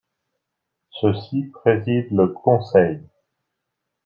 Ceux-ci président le conseil.